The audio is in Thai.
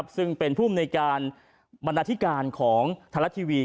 ซึ่งเป็นผู้บริการบรรณาธิการของธรรมทรัฐทีวี